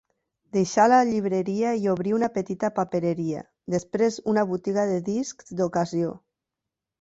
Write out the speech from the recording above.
Deixà la llibreria i obrí una petita papereria, després una botiga de discs d'ocasió.